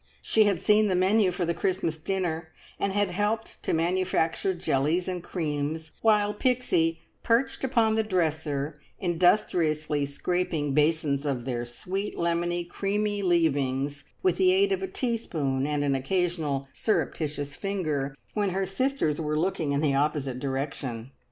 She had seen the menu for the Christmas dinner, and had helped to manufacture jellies and creams, while Pixie perched upon the dresser, industriously scraping basins of their sweet, lemony, creamy leavings, with the aid of a teaspoon and an occasional surreptitious finger when her sisters were looking in an opposite direction.